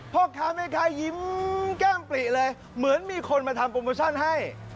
พ่อค้าแม่ค้ายิ้มแก้มปลิเลยเหมือนมีคนมาทำโปรโมชั่นให้